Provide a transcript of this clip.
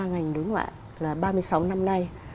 ngành đối ngoại là ba mươi sáu năm nay